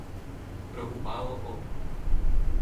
preocupado o